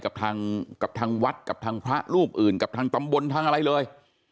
กับทางกับทางวัดกับทางพระรูปอื่นกับทางตำบลทางอะไรเลย